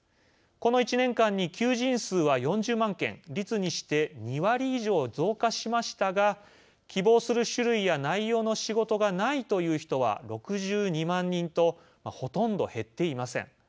この１年間に求人数は４０万件率にして２割以上増加しましたが「希望する種類や内容の仕事がない」という人は６２万人とほとんど減っていません。